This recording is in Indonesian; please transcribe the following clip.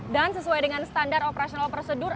dan sesuai dengan standar operasional prosedur